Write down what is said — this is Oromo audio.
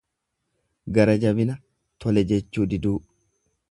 Gara jabaina, tole jechuu diduu.